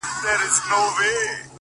هغه به چيري وي ـ